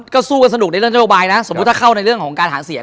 ก็สู้กันสนุกในเรื่องนโยบายนะสมมุติถ้าเข้าในเรื่องของการหาเสียง